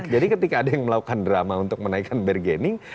jadi ketika ada yang melakukan drama untuk menaikkan bergening